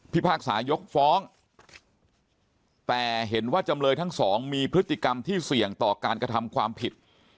พากษายกฟ้องแต่เห็นว่าจำเลยทั้งสองมีพฤติกรรมที่เสี่ยงต่อการกระทำความผิด